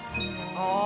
ああ！